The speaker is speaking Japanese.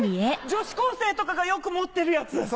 女子高生とかがよく持ってるやつ。